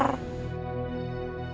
berarti adam lagi lapar